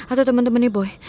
atau temen temennya boy